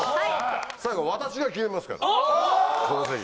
最後私が決めますからその席を。